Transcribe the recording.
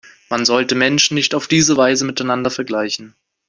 Man sollte Menschen nicht auf diese Weise miteinander vergleichen.